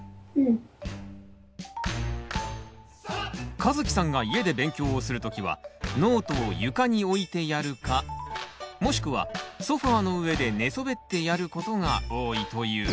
かずきさんが家で勉強をする時はノートを床に置いてやるかもしくはソファーの上で寝そべってやることが多いという。